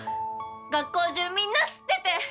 学校中みんな知ってて。